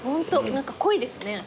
何か濃いですね。